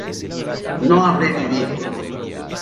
no habré vivido